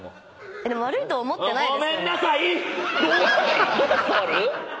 でも悪いと思ってないですよね？